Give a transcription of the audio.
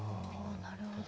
なるほど。